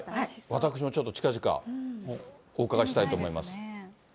私もちょっと近々お伺いしたいと思います。